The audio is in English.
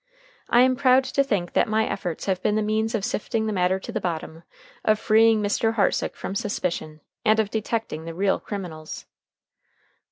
I am proud to think that my efforts have been the means of sifting the matter to the bottom, of freeing Mr. Hartsook from suspicion, and of detecting the real criminals."